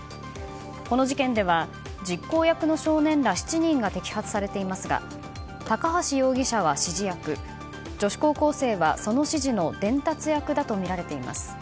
この事件では実行役の少年ら７人が摘発されていますが高橋容疑者は指示役女子高校生はその指示の伝達役だとみられています。